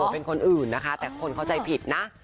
เป็นคนอื่นนะคะแต่คนเข้าใจผิดนะ